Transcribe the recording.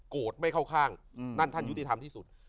ไม่เข้าข้างนั่นท่านยุติธรรมที่สุด